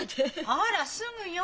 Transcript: あらすぐよ！